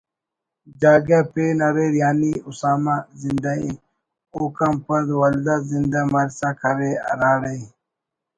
جاگہ پین اریر یعنی اسامہ …… زندہءِ …… اوکان پد ولدا زندہ مرسا کرے ہراڑے